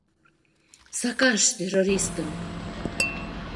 — Сакаш террористым!